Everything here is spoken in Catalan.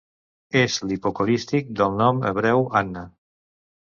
És l'hipocorístic del nom hebreu Anna.